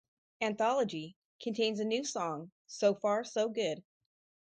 "Anthology" contains a new song, "So Far So Good".